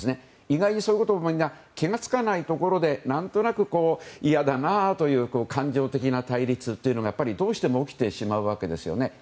意外にそういう気が付かないところで何となく嫌だなという感情的な対立というのがやっぱり、どうしても起きてしまうわけですよね。